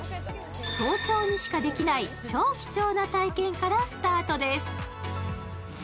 早朝にしかできない超貴重な体験からスタートです。